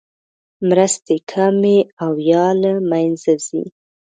مرستې کمې او یا له مینځه ځي.